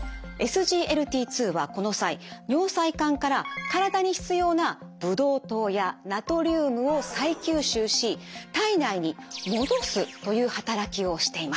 ＳＧＬＴ２はこの際尿細管から体に必要なブドウ糖やナトリウムを再吸収し体内に戻すという働きをしています。